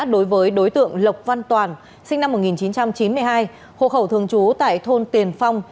đối với đối tượng lộc văn toàn sinh năm một nghìn chín trăm chín mươi hai hộ khẩu thường trú tại thôn tiền phong